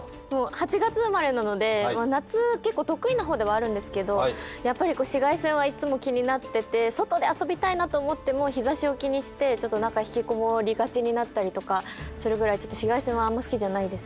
８月生まれなので夏結構得意なほうではあるんですけどやっぱり紫外線はいつも気になってて外で遊びたいなと思っても日ざしを気にしてちょっととかするぐらい紫外線はあんま好きじゃないです。